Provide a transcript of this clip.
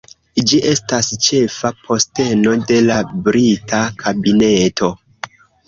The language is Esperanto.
Ĝi estas ĉefa posteno de la Brita Kabineto.